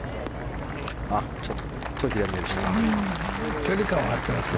ちょっと左めでしたか。